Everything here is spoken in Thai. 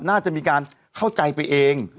น่าจะมีการเข้าใจไปเอง